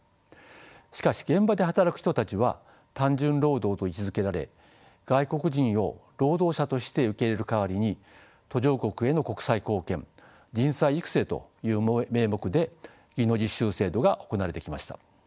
しかし現場で働く人たちは単純労働と位置づけられ外国人を労働者として受け入れる代わりに途上国への国際貢献人材育成という名目で技能実習制度が行われてきました。